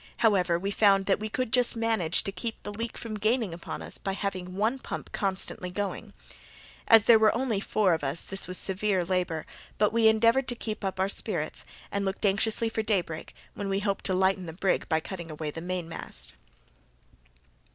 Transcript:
However, we found that we could just manage to keep the leak from gaining upon us by having one pump constantly going. As there were only four of us, this was severe labour; but we endeavoured to keep up our spirits, and looked anxiously for daybreak, when we hoped to lighten the brig by cutting away the mainmast.